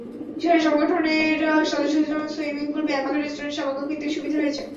সেখানে সংগঠনের সদস্যদের জন্য সুইমিং পুল, ব্যায়ামাগার, রেস্টুরেন্ট, সভাকক্ষ ইত্যাদি সুবিধা আছে।